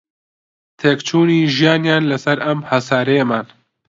تێکچوونی ژیانیان لەسەر ئەم هەسارەیەمان